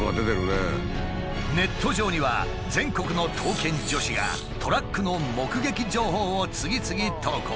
ネット上には全国の刀剣女子がトラックの目撃情報を次々投稿。